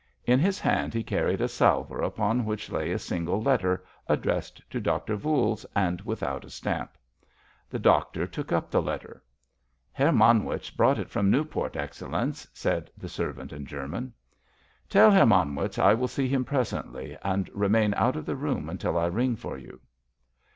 In his hand he carried a salver upon which lay a single letter, addressed to Doctor Voules, and without a stamp. The doctor took up the letter. "Herr Manwitz brought it from Newport, Excellenz," said the servant in German. "Tell Herr Manwitz I will see him presently, and remain out of the room until I ring for you."